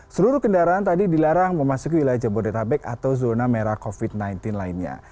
seluruh kendaraan tadi dilarang memasuki wilayah jabodetabek atau zona merah covid sembilan belas lainnya